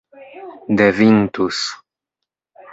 devintus